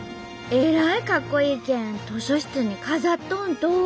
えらいかっこいいけん図書室に飾っとんと！